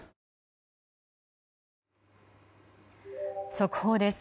速報です。